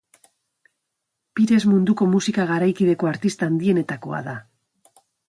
Pires munduko musika garaikideko artista handienetakoa da.